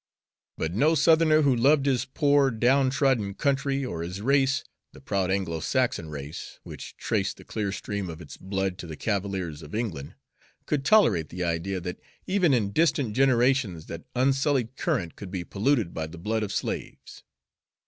But no Southerner who loved his poor, downtrodden country, or his race, the proud Anglo Saxon race which traced the clear stream of its blood to the cavaliers of England, could tolerate the idea that even in distant generations that unsullied current could be polluted by the blood of slaves.